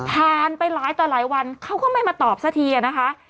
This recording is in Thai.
ผ่านไปหลายต่อหลายวันเขาก็ไม่มาตอบสักทีอะนะคะ